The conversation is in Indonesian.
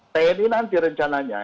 tni nanti rencananya